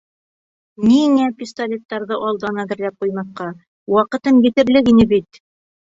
Ниңә пистолеттарҙы алдан әҙерләп ҡуймаҫҡа, ваҡытым етерлек ине бит?